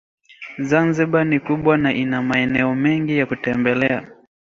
Zanzibar ni kubwa na ina maeneo mengi ya kutembelea